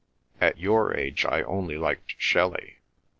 At your age I only liked Shelley.